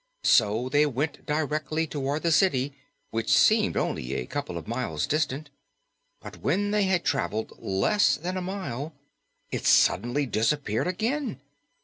So on they went directly toward the city, which seemed only a couple of miles distant. But when they had traveled less than a mile, it suddenly disappeared again.